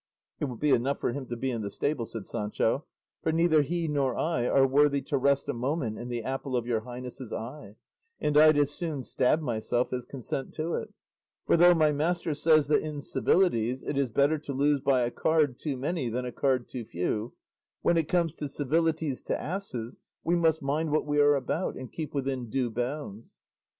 "It will be enough for him to be in the stable," said Sancho, "for neither he nor I are worthy to rest a moment in the apple of your highness's eye, and I'd as soon stab myself as consent to it; for though my master says that in civilities it is better to lose by a card too many than a card too few, when it comes to civilities to asses we must mind what we are about and keep within due bounds."